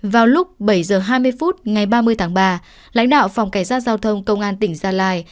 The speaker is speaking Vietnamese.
vào lúc bảy h hai mươi phút ngày ba mươi tháng ba lãnh đạo phòng cảnh sát giao thông công an tỉnh gia lai